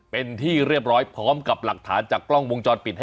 เป็นที่เรียบร้อยพร้อมกับหลักฐานจากกล้องวงจรปิด